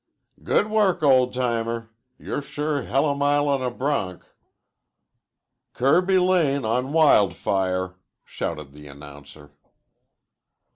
"Good work, old timer. You're sure hellamile on a bronc." "Kirby Lane on Wild Fire," shouted the announcer.